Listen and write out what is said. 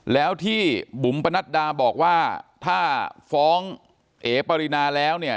แล้วที่บุ๋มปนัดดาบอกว่าถ้าฟ้องเอ๋ปรินาแล้วเนี่ย